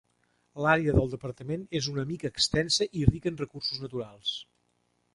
L'àrea del departament és una mica extensa i rica en recursos naturals.